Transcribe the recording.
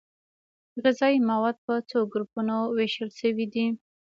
غذايي مواد په څو ګروپونو ویشل شوي دي